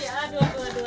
aduh aduh aduh